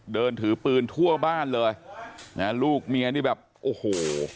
เดินถือปืนทั่วบ้านเลยนะลูกเมียนี่แบบโอ้โห